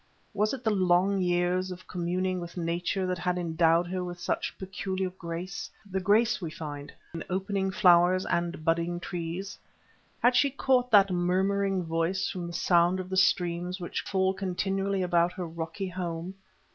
Was it the long years of communing with Nature that had endowed her with such peculiar grace, the grace we find in opening flowers and budding trees? Had she caught that murmuring voice from the sound of the streams which fall continually about her rocky home?